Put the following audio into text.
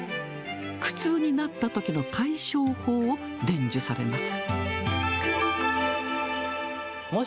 苦痛になったときの解消法を伝授されます。